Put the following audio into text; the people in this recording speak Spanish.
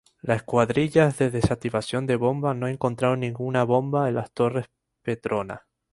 Las escuadrillas de desactivación de bombas no encontraron ninguna bomba en las Torres Petronas.